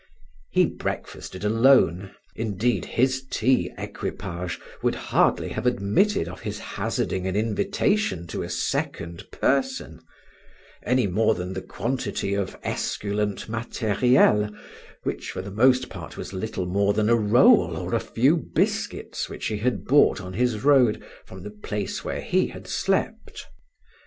He breaksfasted alone; indeed, his tea equipage would hardly have admitted of his hazarding an invitation to a second person, any more than the quantity of esculent matériel, which for the most part was little more than a roll or a few biscuits which he had bought on his road from the place where he had slept.